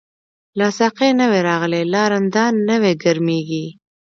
لاسا قی نوی راغلی، لا رندان نوی ګرمیږی